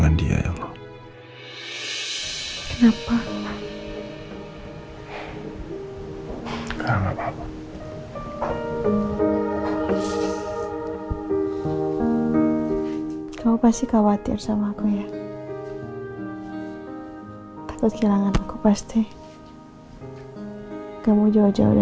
nuna mau ikut saja noh